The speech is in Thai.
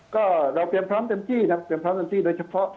ก็เราเตรียมพร้อมเต็มที่นะเตรียมพร้อมเต็มที่โดยเฉพาะ